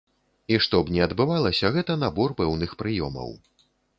І што б ні адбывалася, гэта набор пэўных прыёмаў.